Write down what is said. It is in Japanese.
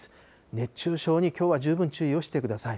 熱中症にきょうは十分注意をしてください。